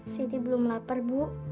siti belum lapar bu